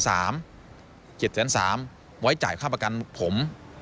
๗๓แสนไว้จ่ายค่าประกันผม